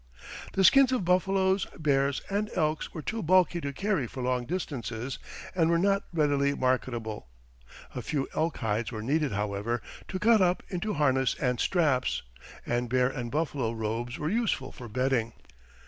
The skins of buffaloes, bears, and elks were too bulky to carry for long distances, and were not readily marketable. A few elk hides were needed, however, to cut up into harness and straps, and bear and buffalo robes were useful for bedding.